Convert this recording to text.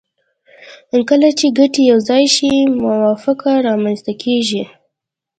کله چې ګټې یو ځای شي موافقه رامنځته کیږي